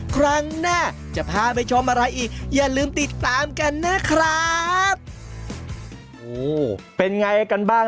ครั้งหน้าจะพาไปชมอะไรอีก